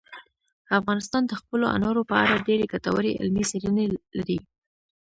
افغانستان د خپلو انارو په اړه ډېرې ګټورې علمي څېړنې لري.